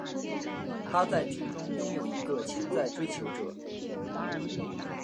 她在剧中拥有一个潜在追求者。